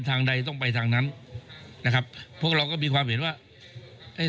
ทางใดต้องไปทางนั้นนะครับพวกเราก็มีความเห็นว่าไอ้